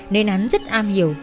nên hắn rất am hiểu